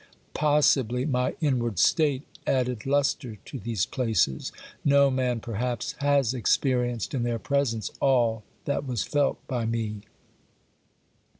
Possibly my inward state added lustre to these places ; no man perhaps has experienced in their presence all that was felt by me.